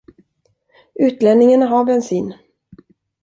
Utlänningarna har bensin.